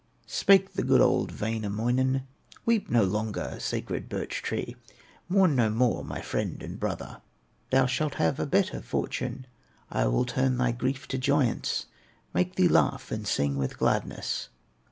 Spake the good, old Wainamoinen: "Weep no longer, sacred birch tree, Mourn no more, my friend and brother, Thou shalt have a better fortune; I will turn thy grief to joyance, Make thee laugh and sing with gladness."